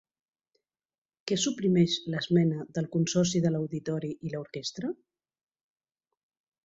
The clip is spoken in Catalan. Què suprimeix l'esmena del Consorci de l'Auditori i l'Orquestra?